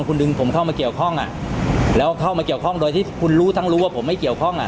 คุณดึงผมเข้ามาเกี่ยวข้องอ่ะแล้วเข้ามาเกี่ยวข้องโดยที่คุณรู้ทั้งรู้ว่าผมไม่เกี่ยวข้องอ่ะ